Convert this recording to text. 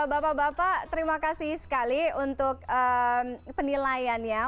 bapak bapak terima kasih sekali untuk penilaiannya